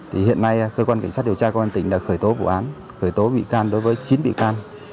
thì hiện nay cơ quan cảnh sát điều tra công an tỉnh đã khởi tố vụ án khởi tố bị can đối với chín bị can